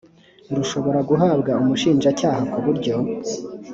rushobora guhabwa umushinjacyaha ku buryo